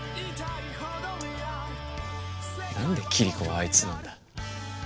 何でキリコはあいつなんだ？